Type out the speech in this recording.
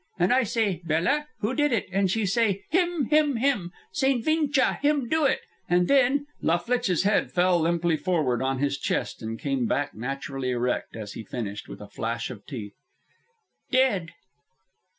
And I say, 'Bella, who did it?' And she say, 'Him, him, him. St. Vincha, him do it.' And then" La Flitche's head felt limply forward on his chest, and came back naturally erect, as he finished, with a flash of teeth, "Dead."